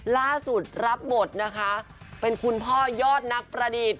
ล่าสุดรับบทนะคะเป็นคุณพ่อยอดนักประดิษฐ์